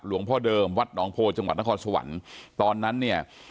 พ่อเดิมวัดหนองโพจังหวัดนครสวรรค์ตอนนั้นเนี่ย